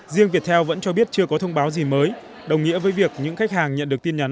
riêng viettel vẫn cho biết chưa có thông báo gì mới đồng nghĩa với việc những khách hàng nhận được tin nhắn